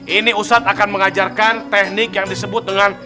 ini ustadz akan mengajarkan teknik yang disebut dengan